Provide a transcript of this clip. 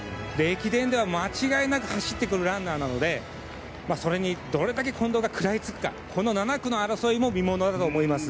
駅伝では間違いなく走ってくるランナーなのでそれにどれだけ近藤が食らいつくかこの７区の争いも見ものだと思います。